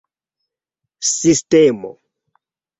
sistemo